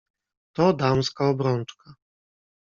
"To damska obrączka!"